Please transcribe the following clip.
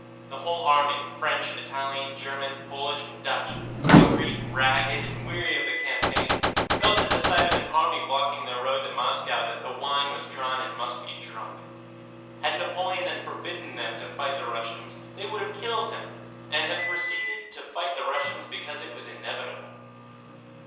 The whole army—French, Italian, German, Polish, and Dutch—hungry, ragged, and weary of the campaign, felt at the sight of an army blocking their road to Moscow that the wine was drawn and must be drunk. Had Napoleon then forbidden them to fight the Russians, they would have killed him and have proceeded to fight the Russians because it was inevitable.